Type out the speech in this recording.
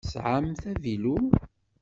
Tesɛamt avilu?